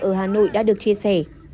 ở hà nội đã được chia sẻ